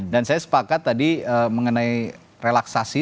dan saya sepakat tadi mengenai relaksasi